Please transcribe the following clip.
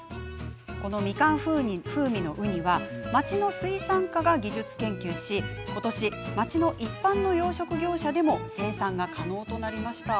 みかん風味のウニは町の水産課が技術研究しことし、町の一般の養殖業者の方でも生産が可能となりました。